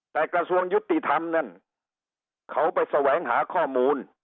แต่กระทรวงยุติธรรมนั่นเขาไปแสวงหาข้อมูล